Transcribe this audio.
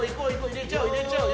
入れちゃおう入れちゃおう。